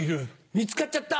見つかっちゃった。